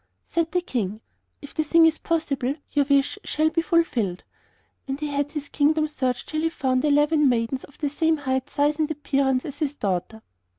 Said the King: 'If the thing is possible your wish shall be fulfilled'; and he had his kingdom searched till he found eleven maidens of the same height, size, and appearance as his daughter.